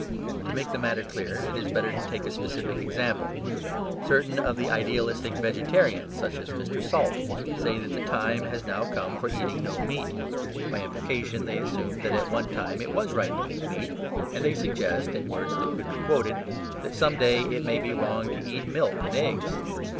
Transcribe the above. To make the matter clear, it is better to take a specific example. Certain of the idealistic vegetarians, such as Mr. Salt, say that the time has now come for eating no meat; by implication they assume that at one time it was right to eat meat, and they suggest (in words that could be quoted) that some day it may be wrong to eat milk and eggs.